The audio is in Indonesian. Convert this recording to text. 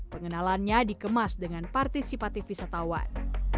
pengenalannya dikemas dengan partisipatif wisatawan